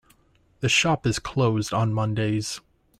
The shop is closed on Mondays.